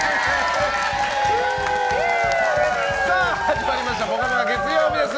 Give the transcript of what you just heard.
さあ始まりました「ぽかぽか」月曜日です。